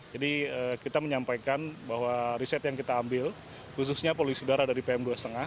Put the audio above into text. jadi kita menyampaikan bahwa riset yang kita ambil khususnya polisi udara dari pm dua lima